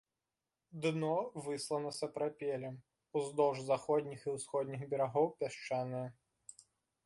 Дно выслана сапрапелем, уздоўж заходніх і ўсходніх берагоў пясчанае.